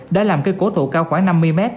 đã làm cây cổ thụ cao khoảng năm mươi m